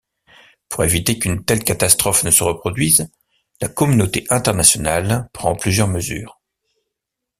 Pour éviter qu'une telle catastrophe ne se reproduise, la communauté internationale prend plusieurs mesures.